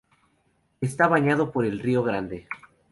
Está bañado por el Rio Grande.